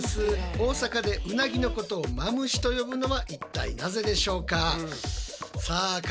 大阪でうなぎのことを「まむし」と呼ぶのは一体なぜでしょうか。